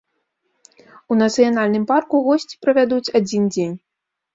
У нацыянальным парку госці правядуць адзін дзень.